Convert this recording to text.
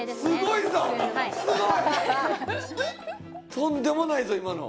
とんでもないぞ今の。